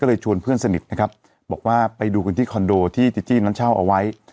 ก็เลยชวนเพื่อนสนิทนะครับบอกว่าไปดูกันที่คอนโดที่จีจี้นั้นเช่าเอาไว้